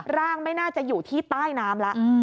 ร่างไม่น่าจะอยู่ที่ใต้น้ำแล้ว